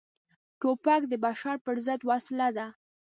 توپک د بشر پر ضد وسله ده.